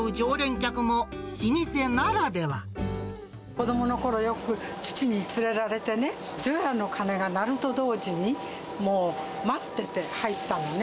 子どものころ、よく父に連れられてね、除夜の鐘が鳴ると同時に、もう待ってて、入ったのね。